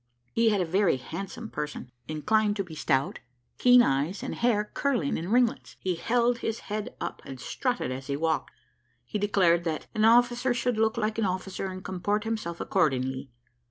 He had a very handsome person, inclined to be stout, keen eyes, and hair curling in ringlets. He held his head up, and strutted as he walked. He declared that "an officer should look like an officer, and comport himself accordingly."